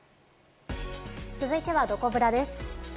続いては、どこブラです。